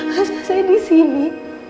masih saya di sini